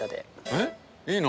えっいいの？